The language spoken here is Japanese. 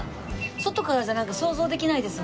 外からじゃなんか想像できないですもんね